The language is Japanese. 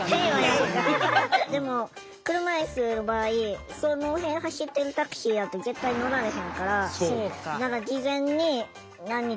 でも車いすの場合その辺走ってるタクシーやと絶対乗られへんから。